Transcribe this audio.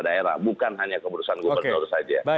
daerah bukan hanya keputusan gubernur saja